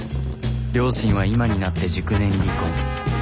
両親は今になって熟年離婚。